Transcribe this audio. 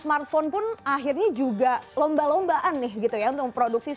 apa yang terjadi